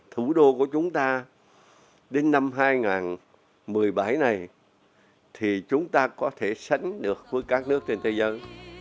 thủ đô của chúng ta đến năm hai nghìn một mươi bảy này thì chúng ta có thể sánh được với các nước trên thế giới